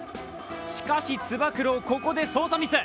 しかしつば九郎、ここで操作ミス。